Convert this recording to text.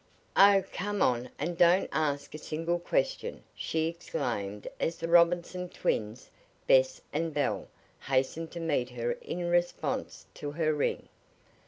"Oh, come on, and don't ask a single question!" she exclaimed as the Robinson twins Bess and Belle hastened to meet her in response to her ring.